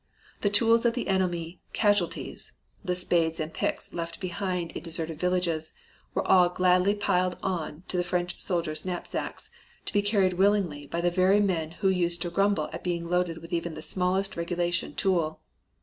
The tools of the enemy "casualties," the spades and picks left behind in deserted villages, were all gladly piled on to the French soldiers' knapsacks, to be carried willingly by the very men who used to grumble at being loaded with even the smallest regulation tool.